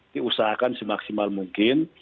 diusahakan semaksimal mungkin